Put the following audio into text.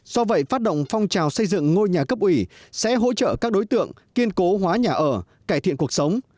do vậy phát động phong trào xây dựng ngôi nhà cấp ủy sẽ hỗ trợ các đối tượng kiên cố hóa nhà ở cải thiện cuộc sống